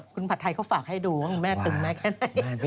คุณผัดไทยเขาฝากให้ดูว่าคุณแม่ตึงแม่แค่ไหน